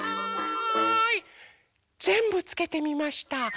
ぜんぶつけてみました。